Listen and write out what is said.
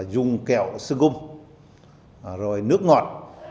xương gung rồi nước ngọt